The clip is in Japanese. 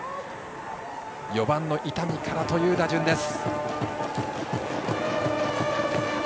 ４番の伊丹からという打順です。